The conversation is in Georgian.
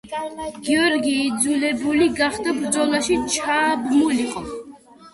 გიორგი იძულებული გახდა ბრძოლაში ჩაბმულიყო.